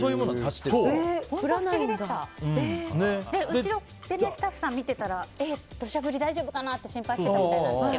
後ろでスタッフさん見てたら大丈夫かな？って心配していたみたいですけど。